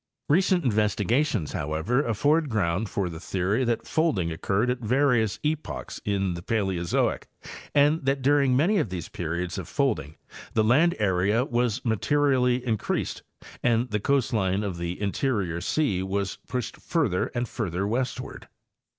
Recent investigations, however, afford ground for the theory that folding occurred at various epochs in the Paleozoic, and that during many of these periods of folding the land area was materially increased and the coast line of the interior sea was pushed further and further westward.